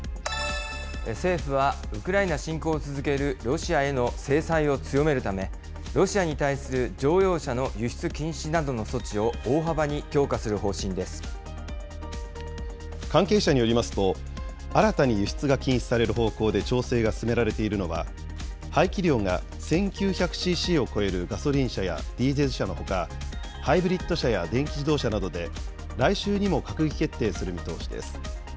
政府はウクライナ侵攻を続けるロシアへの制裁を強めるため、ロシアに対する乗用車の輸出禁止などの措置を大幅に強化する方針関係者によりますと、新たに輸出が禁止される方向で調整が進められているのは、排気量が１９００ｃｃを超えるガソリン車やディーゼル車のほか、ハイブリッド車や電気自動車などで、来週にも閣議決定する見通しです。